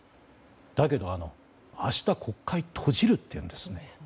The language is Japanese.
だけど、明日国会閉じるっていうんですね。